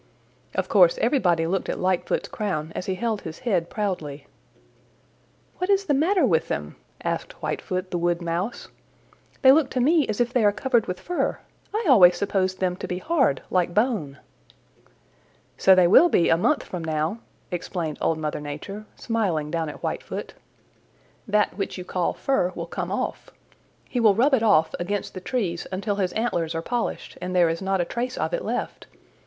Of course everybody looked at Lightfoot's crown as he held his head proudly. "What is the matter with them?" asked Whitefoot the Wood Mouse. "They look to me as if they are covered with fur. I always supposed them to be hard like bone." "So they will be a month from now," explained Old Mother Nature, smiling down at Whitefoot. "That which you call fur will come off. He will rub it off against the trees until his antlers are polished, and there is not a trace of it left.